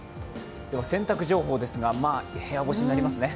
洗濯情報ですが、部屋干しになりますね。